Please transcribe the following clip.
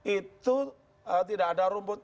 itu tidak ada rumput